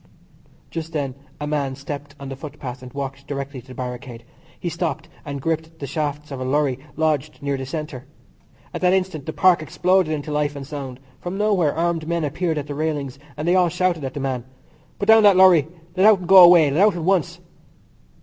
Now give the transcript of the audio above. Just then a man stepped on the footpath and walked directly to the barricade. He stopped and gripped the shafts of a lorry lodged near the centre. At that instant the Park exploded into life and sound; from nowhere armed men appeared at the railings, and they all shouted at the man. "Put down that lorry. Let out and go away. Let out at once."